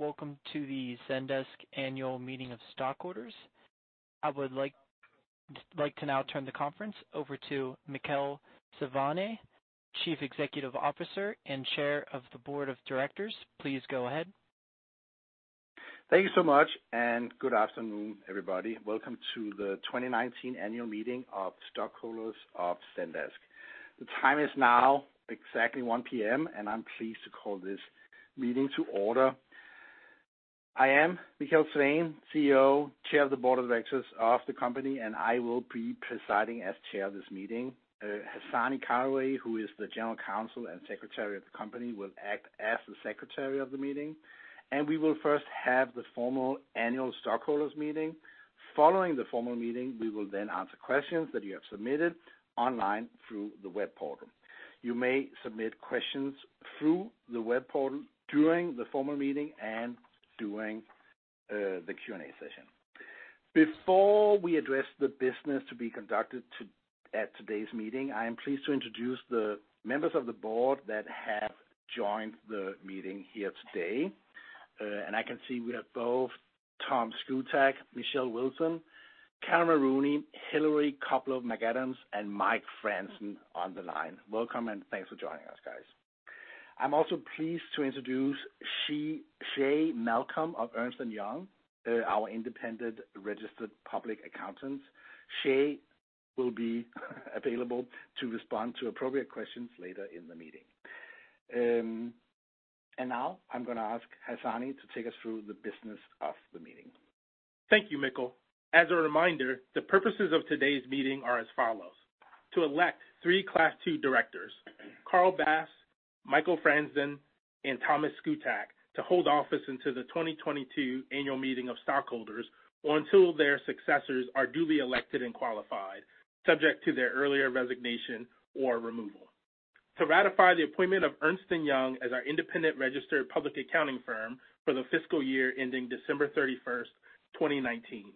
Welcome to the Zendesk annual meeting of stockholders. I would like to now turn the conference over to Mikkel Svane, Chief Executive Officer and Chair of the Board of Directors. Please go ahead. Thank you so much. Good afternoon, everybody. Welcome to the 2019 annual meeting of stockholders of Zendesk. The time is now exactly 1:00 P.M. I'm pleased to call this meeting to order. I am Mikkel Svane, CEO, Chair of the Board of Directors of the company, and I will be presiding as Chair of this meeting. Hasani Caraway, who is the General Counsel and Secretary of the company, will act as the Secretary of the meeting. We will first have the formal annual stockholders meeting. Following the formal meeting, we will then answer questions that you have submitted online through the web portal. You may submit questions through the web portal during the formal meeting and during the Q&A session. Before we address the business to be conducted at today's meeting, I am pleased to introduce the members of the board that have joined the meeting here today. I can see we have both Tom Szkutak, Michelle Wilson, Caryn Marooney, Hilarie Koplov-McAdams, and Mike Franzen on the line. Welcome. Thanks for joining us, guys. I'm also pleased to introduce Shay Malcolm of Ernst & Young, our independent registered public accountant. Shay will be available to respond to appropriate questions later in the meeting. Now I'm going to ask Hasani to take us through the business of the meeting. Thank you, Mikkel. As a reminder, the purposes of today's meeting are as follows: To elect three Class II directors, Carl Bass, Michael Franzen, and Thomas Szkutak, to hold office until the 2022 annual meeting of stockholders or until their successors are duly elected and qualified, subject to their earlier resignation or removal. To ratify the appointment of Ernst & Young as our independent registered public accounting firm for the fiscal year ending December 31st, 2019.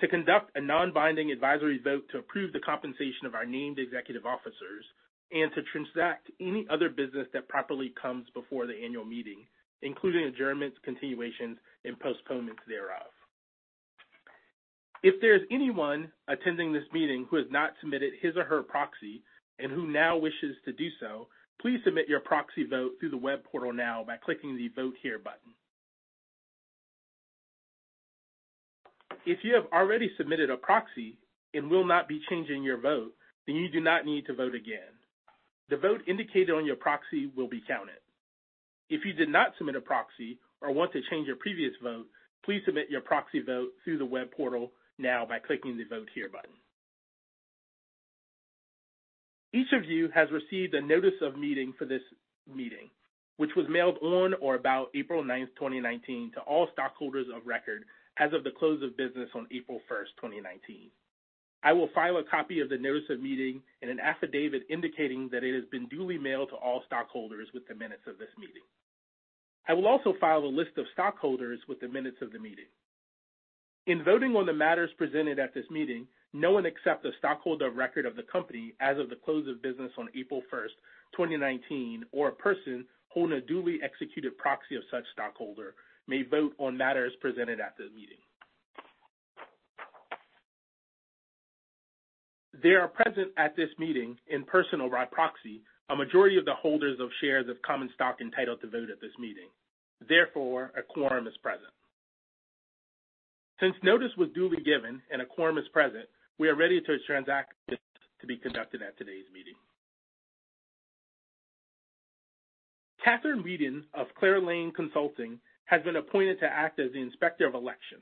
To conduct a non-binding advisory vote to approve the compensation of our named executive officers and to transact any other business that properly comes before the annual meeting, including adjournments, continuations, and postponements thereof. If there is anyone attending this meeting who has not submitted his or her proxy and who now wishes to do so, please submit your proxy vote through the web portal now by clicking the Vote Here button. If you have already submitted a proxy and will not be changing your vote, you do not need to vote again. The vote indicated on your proxy will be counted. If you did not submit a proxy or want to change your previous vote, please submit your proxy vote through the web portal now by clicking the Vote Here button. Each of you has received a notice of meeting for this meeting, which was mailed on or about April 9, 2019, to all stockholders of record as of the close of business on April 1, 2019. I will file a copy of the notice of meeting in an affidavit indicating that it has been duly mailed to all stockholders with the minutes of this meeting. I will also file a list of stockholders with the minutes of the meeting. In voting on the matters presented at this meeting, no one except a stockholder of record of the company as of the close of business on April 1, 2019, or a person holding a duly executed proxy of such stockholder may vote on matters presented at the meeting. There are present at this meeting, in person or by proxy, a majority of the holders of shares of common stock entitled to vote at this meeting. Therefore, a quorum is present. Since notice was duly given and a quorum is present, we are ready to transact business to be conducted at today's meeting. Katherine Weeden of [Clair Lane Consulting has been appointed to act as the Inspector of Election.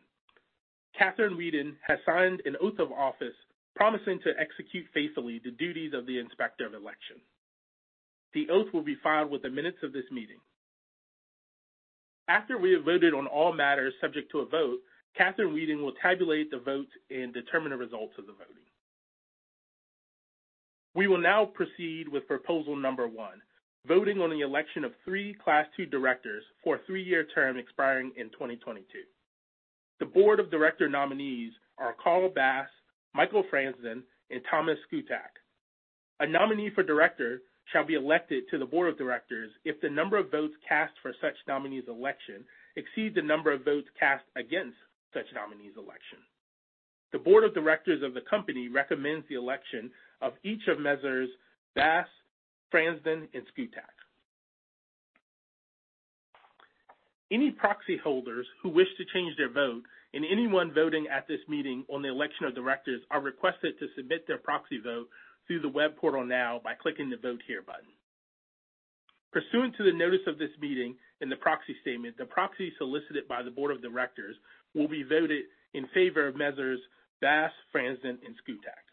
Katherine Weeden has signed an oath of office promising to execute faithfully the duties of the Inspector of Election. The oath will be filed with the minutes of this meeting. After we have voted on all matters subject to a vote, Katherine Weeden will tabulate the votes and determine the results of the voting. We will now proceed with proposal number 1, voting on the election of 3 Class II directors for a three-year term expiring in 2022. The board of director nominees are Carl Bass, Michael Franzen, and Thomas Szkutak. A nominee for director shall be elected to the board of directors if the number of votes cast for such nominee's election exceeds the number of votes cast against such nominee's election. The board of directors of the company recommends the election of each of Messrs. Bass, Franzen, and Szkutak. Any proxy holders who wish to change their vote and anyone voting at this meeting on the election of directors are requested to submit their proxy vote through the web portal now by clicking the Vote Here button. Pursuant to the notice of this meeting in the proxy statement, the proxy solicited by the board of directors will be voted in favor of Messrs. Bass, Franzen, and Skutak.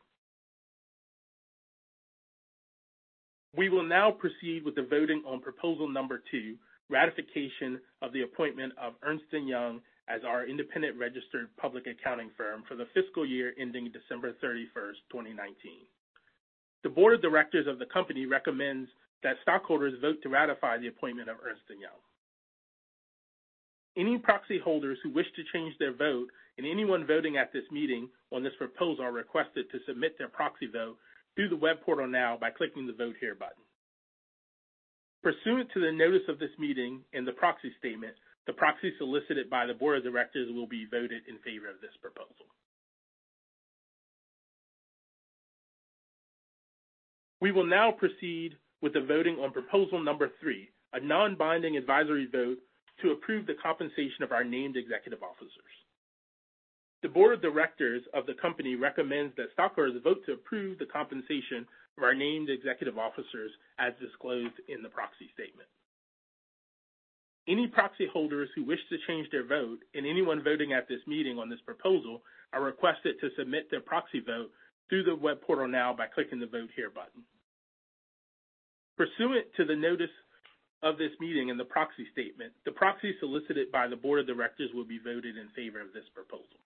We will now proceed with the voting on proposal number 2, ratification of the appointment of Ernst & Young as our independent registered public accounting firm for the fiscal year ending December 31, 2019. The board of directors of the company recommends that stockholders vote to ratify the appointment of Ernst & Young. Any proxy holders who wish to change their vote and anyone voting at this meeting on this proposal are requested to submit their proxy vote through the web portal now by clicking the Vote Here button. Pursuant to the notice of this meeting in the proxy statement, the proxy solicited by the board of directors will be voted in favor of this proposal. We will now proceed with the voting on proposal number 3, a non-binding advisory vote to approve the compensation of our named executive officers. The Board of Directors of the company recommends that stockholders vote to approve the compensation of our named executive officers as disclosed in the proxy statement. Any proxy holders who wish to change their vote and anyone voting at this meeting on this proposal are requested to submit their proxy vote through the web portal now by clicking the Vote Here button. Pursuant to the notice of this meeting in the proxy statement, the proxy solicited by the Board of Directors will be voted in favor of this proposal.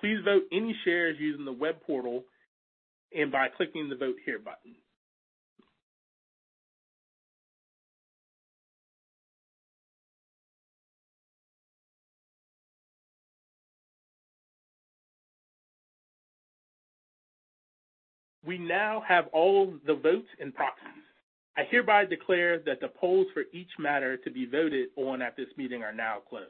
Please vote any shares using the web portal and by clicking the Vote Here button. We now have all the votes and proxies. I hereby declare that the polls for each matter to be voted on at this meeting are now closed.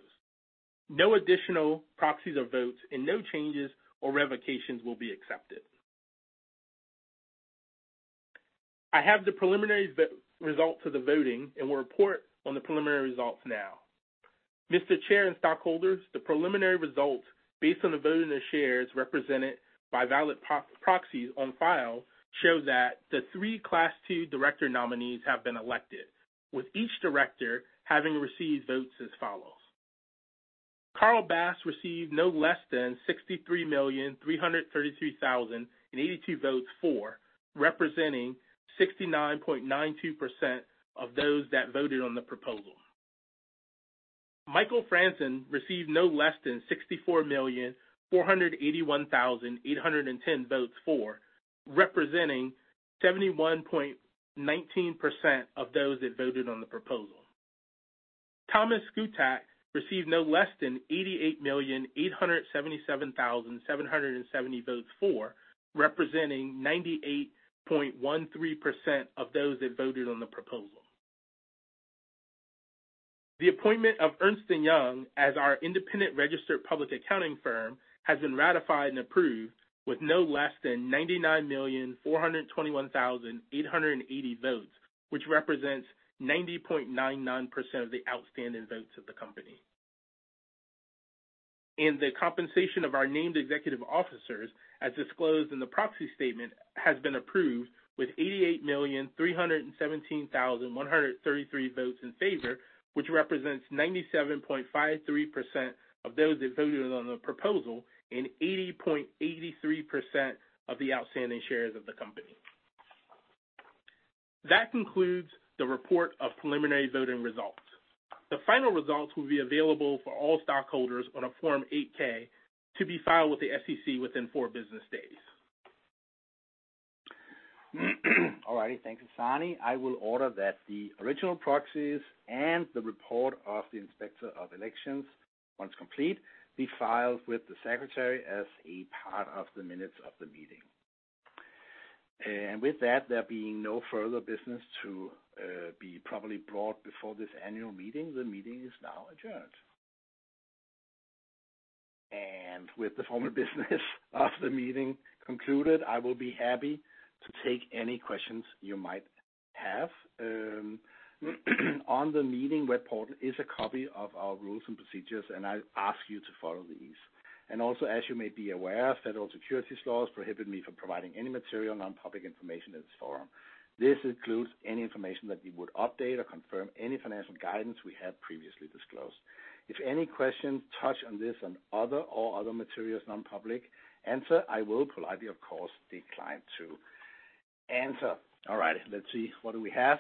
No additional proxies or votes and no changes or revocations will be accepted. I have the preliminary results of the voting and will report on the preliminary results now. Mr. Chair and stockholders, the preliminary results, based on the voting of shares represented by valid proxies on file, show that the three Class II director nominees have been elected, with each director having received votes as follows. Carl Bass received no less than 63,332,082 votes for, representing 69.92% of those that voted on the proposal. Michael Franzen received no less than 64,481,810 votes for, representing 71.19% of those that voted on the proposal. Thomas Szkutak received no less than 88,877,770 votes for, representing 98.13% of those that voted on the proposal. The appointment of Ernst & Young as our independent registered public accounting firm has been ratified and approved with no less than 99,421,880 votes, which represents 90.99% of the outstanding votes of the company. The compensation of our named executive officers, as disclosed in the proxy statement, has been approved with 88,317,133 votes in favor, which represents 97.53% of those that voted on the proposal and 80.83% of the outstanding shares of the company. That concludes the report of preliminary voting results. The final results will be available for all stockholders on a Form 8-K to be filed with the SEC within four business days. All right. Thank you, Hasani. I will order that the original proxies and the report of the Inspector of Elections, once complete, be filed with the Secretary as a part of the minutes of the meeting. With that, there being no further business to be properly brought before this annual meeting, the meeting is now adjourned. With the formal business of the meeting concluded, I will be happy to take any questions you might have. On the meeting web portal is a copy of our rules and procedures, I ask you to follow these. As you may be aware, federal securities laws prohibit me from providing any material non-public information in this forum. This includes any information that we would update or confirm any financial guidance we have previously disclosed. If any questions touch on this or other material is non-public, I will politely, of course, decline to answer. All right. Let's see. What do we have?